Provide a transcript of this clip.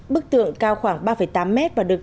bức tượng cao khoảng ba tám mét và được